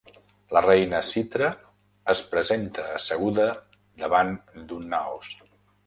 La reina Sitre es presenta asseguda davant d'un naos.